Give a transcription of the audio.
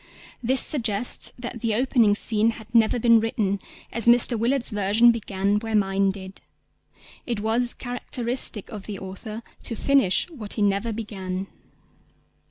This suggests that the opening scene had never been written, as Mr. Willard's version began where mine did. It was characteristic of the author to finish what he never began.